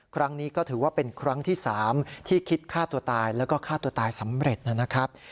ครั้งนี้ก็ถือว่าเป็นครั้งที่๓ที่คิดฆ่าตัวตายแล้วก็ฆ่าตัวตายสำเร็จนะครับ